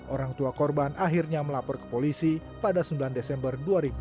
orang tua korban akhirnya melapor ke polisi pada sembilan desember dua ribu dua puluh